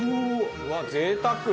うわぜいたく！